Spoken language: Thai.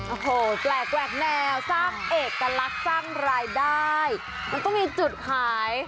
โอ้โหแปลกแหวกแนวสร้างเอกลักษณ์สร้างรายได้มันต้องมีจุดขาย